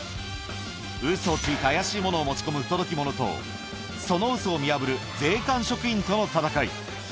ウソをついて怪しいものを持ち込む不届き者と、そのウソを見破る税関職員との戦い。